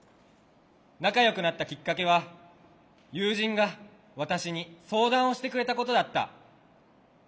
仲よくなったきっかけは友人が私に相談をしてくれたことだった。